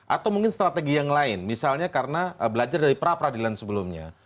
atau mungkin strategi yang lain misalnya karena belajar dari pra peradilan sebelumnya